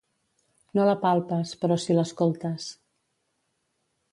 No la palpes, però si l'escoltes.